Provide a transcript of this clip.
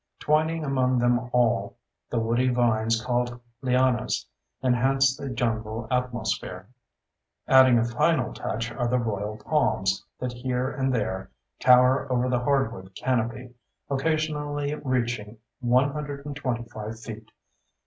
Twining among them all, the woody vines called lianas enhance the jungle atmosphere. Adding a final touch are the royal palms that here and there tower over the hardwood canopy—occasionally reaching 125 feet.